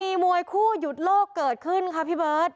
มีมวยคู่หยุดโลกเกิดขึ้นค่ะพี่เบิร์ต